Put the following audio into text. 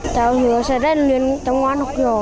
cháu hứa sẽ rèn luyện trong mùa học nhỏ